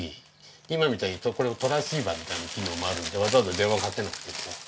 今みたいにトランシーバーみたいな機能もあるんでわざわざ電話かけなくても。